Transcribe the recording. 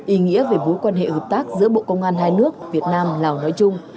ý nghĩa về mối quan hệ hợp tác giữa bộ công an hai nước việt nam lào nói chung